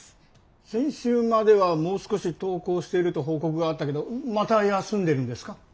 先週まではもう少し登校してると報告があったけどまた休んでるんですか？